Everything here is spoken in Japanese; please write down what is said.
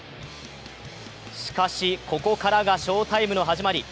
しかし、ここからが翔タイムの始まり。